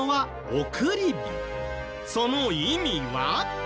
その意味は？